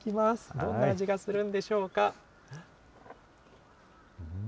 どんな味がするんでしょうか。